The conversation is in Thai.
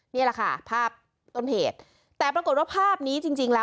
นี่แหละค่ะภาพต้นเพจ